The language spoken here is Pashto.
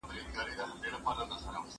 “ما چي د زاهد کیسه کول تاسي به نه منل